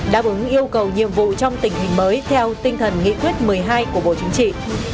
đáp ứng yêu cầu nhiệm vụ trong tình hình mới theo tinh thần nghị quyết một mươi hai của bộ chính trị